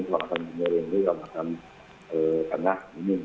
kalau akan menyering itu akan pernah ini